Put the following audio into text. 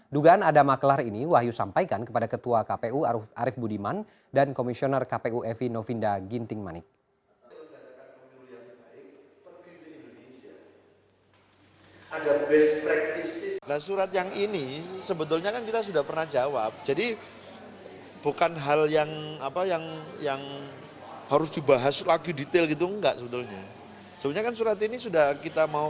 dugaan adam maklar ini wahyu sampaikan kepada ketua kpu arief budiman dan komisioner kpu evi novinda ginting manik